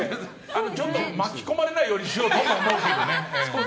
ちょっと巻き込まれないようにしようと思うけどね。